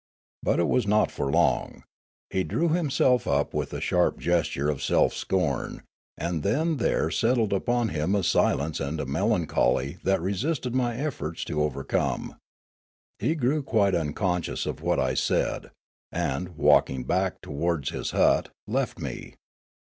But it was not for long ; he drew himself up with a sharp gesture of self scorn, and then there settled upon him a silence and a melancholy that resisted my efforts to overcome. He grew quite unconscious of what I said, and, walk ing back towards his hut, left me.